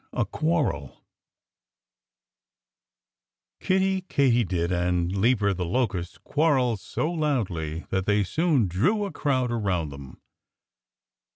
XIX A QUARREL Kiddie Katydid and Leaper the Locust quarreled so loudly that they soon drew a crowd around them.